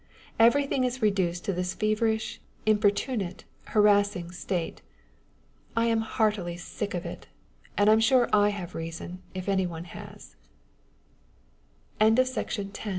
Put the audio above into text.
Everything is reduced to this feverish, importunate, harassing state. I'm heartily sick of it, and I'm sure T have reason if anyon